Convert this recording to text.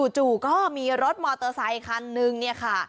จู่ก็มีรถมอเตอร์ไซคันนึงเนี่ยค่ะ